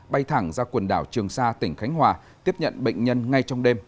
bay thẳng ra quần đảo trường sa tỉnh khánh hòa tiếp nhận bệnh nhân ngay trong đêm